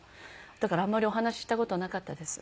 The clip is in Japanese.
だからあんまりお話しした事はなかったです。